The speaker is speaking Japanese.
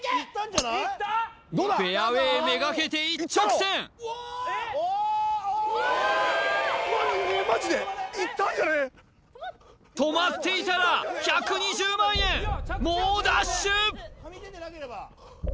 フェアウェイめがけて一直線止まっていたら１２０万円猛ダッシュ！